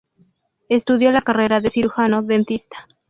Estudió la carrera de cirujano dentista.